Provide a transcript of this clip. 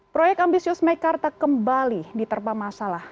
proyek ambisius mekarta kembali diterpa masalah